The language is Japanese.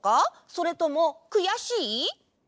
それともくやしい？